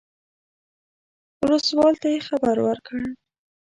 اوسلوال ته یې خبر ورکړ.